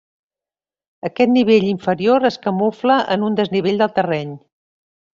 Aquest nivell inferior es camufla en un desnivell del terreny.